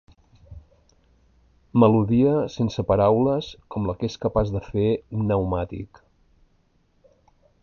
Melodia sense paraules com la que és capaç de fer un pneumàtic.